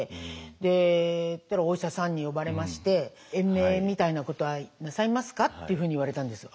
でお医者さんに呼ばれまして「延命みたいなことはなさいますか？」っていうふうに言われたんです。